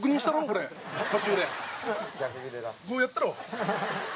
こうやったろ！